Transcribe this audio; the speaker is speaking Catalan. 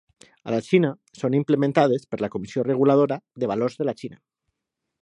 A la Xina són implementades per la Comissió Reguladora de Valors de la Xina.